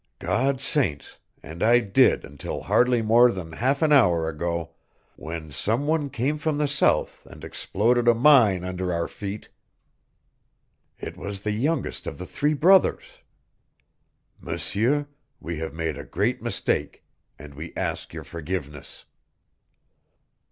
God's saints, and I did until hardly more than half an hour ago, when some one came from the South and exploded a mine under our feet. It was the youngest of the three brothers. M'seur we have made a great mistake, and we ask your forgiveness."